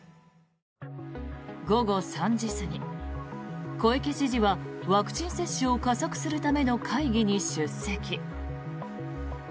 午後３時過ぎ小池知事はワクチン接種を加速するための会議に出席。